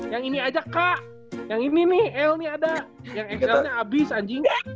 yang ini aja kak yang ini nih el nih ada yang ekstralnya abis anjing